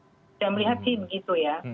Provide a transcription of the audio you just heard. saya melihat sih begitu ya